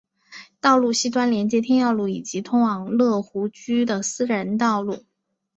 道路西端连接天耀路以及通往乐湖居的私人道路。